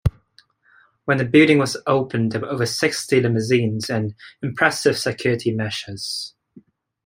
When the building was opened there were over sixty limousines and impressive security measures.